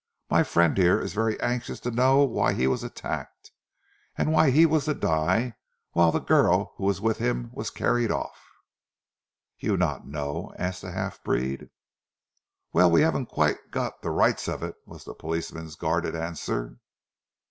My friend here is very anxious to know why he was attacked, and why he was to die whilst the girl who was with him was carried off." "You not know?" asked the half breed. "Well, we haven't quite got the rights of it," was the policeman's guarded answer.